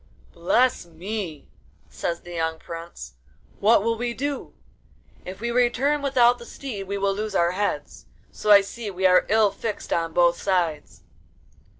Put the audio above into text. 'Bless me,' says the young prince, 'what will we do? If we return without the steed we will lose our heads, so I see we are ill fixed on both sides.